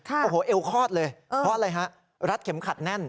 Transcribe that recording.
โอ้โหเอวคลอดเลยเพราะอะไรฮะรัดเข็มขัดแน่น